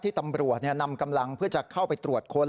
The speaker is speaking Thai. ตำรวจนำกำลังเพื่อจะเข้าไปตรวจค้น